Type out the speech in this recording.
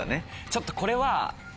ちょっとこれは。